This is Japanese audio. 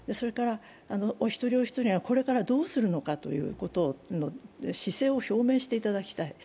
お一人お一人がこれからどうするのかという姿勢を表明していただきたい。